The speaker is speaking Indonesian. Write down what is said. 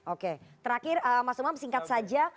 oke terakhir mas umam singkat saja